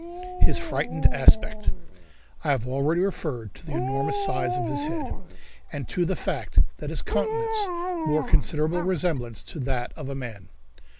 His Frightened Aspect. I have already referred to the enormous size of his head, and to the fact that his countenance bore considerable resemblance to that of a man.